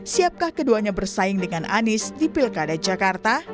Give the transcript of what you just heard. siapkah keduanya bersaing dengan anies di pilkada jakarta